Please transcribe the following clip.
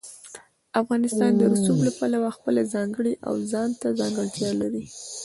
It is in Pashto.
افغانستان د رسوب له پلوه خپله ځانګړې او ځانته ځانګړتیا لري.